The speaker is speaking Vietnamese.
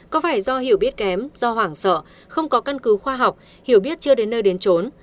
có phải do hiểu biết kém do hoảng sợ không có căn cứ khoa học hiểu biết chưa đến nơi đến trốn